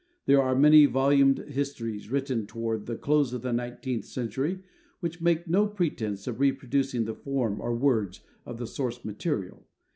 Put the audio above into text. There are many volumed histories written toward the close of the nineteenth century which make no pretence of reproducing the form or words of the source material.